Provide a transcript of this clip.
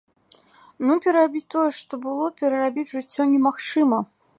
Ну, перарабіць тое, што было, перарабіць жыццё немагчыма.